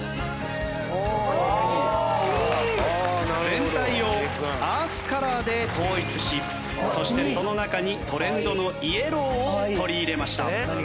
全体をアースカラーで統一しそしてその中にトレンドのイエローを取り入れました。